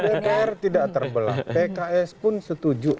golkar tidak terbelah pks pun setuju